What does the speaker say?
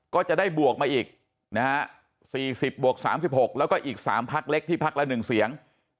ก็จะได้บวกมาอีกนะฮะ๔๐บวก๓๖แล้วก็อีก๓พักเล็กที่พักละ๑เสียง